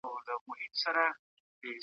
استاد وویل چي پوهه د بریا یوازینۍ لار ده.